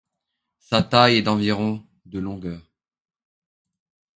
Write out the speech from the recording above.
Sa taille est d'environ de longueur.